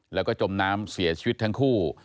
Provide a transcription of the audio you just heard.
แล้วก็จมน้ำเสียชีวิตทั้งคู่